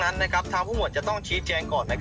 เจอตัวจริงเหรอพี่